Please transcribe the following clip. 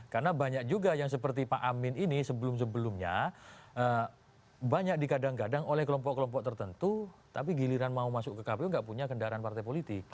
karena banyak juga yang seperti pak amin ini sebelum sebelumnya banyak dikadang gadang oleh kelompok kelompok tertentu tapi giliran mau masuk ke kpu tidak punya kendaraan partai politik